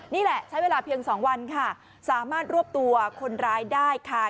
นี่แหละใช้เวลาเพียง๒วันค่ะสามารถรวบตัวคนร้ายได้ค่ะ